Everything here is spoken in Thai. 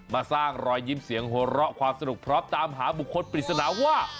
สร้างรอยยิ้มเสียงหัวเราะความสนุกพร้อมตามหาบุคคลปริศนาว่า